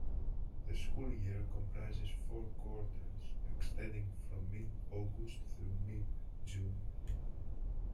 The school year comprises four quarters, extending from mid-August through mid-June.